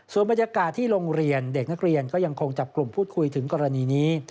ส่วนบรรยากาศที่โรงเรียนเด็กนักเรียนก็ยังคงจับกลุ่มพูดคุยถึงกรณีนี้